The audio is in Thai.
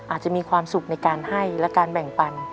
อาจจะมีความสุขในการให้และการแบ่งปัน